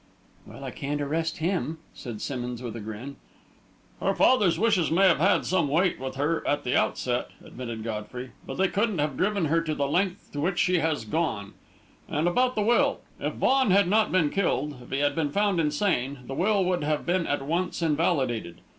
"Well, I can't arrest him," said Simmonds, with a grin. "Her father's wishes may have had some weight with her at the outset," admitted Godfrey, "but they couldn't have driven her to the length to which she has gone. And about the will. If Vaughan had not been killed, if he had been found insane, the will would have been at once invalidated.